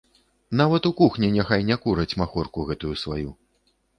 Нават у кухні няхай не кураць махорку гэтую сваю.